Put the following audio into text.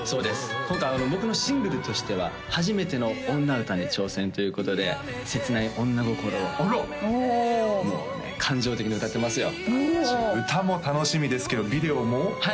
今回僕のシングルとしては初めての女歌に挑戦ということで切ない女心をもうね感情的に歌ってますよおおっ歌も楽しみですけどビデオもはい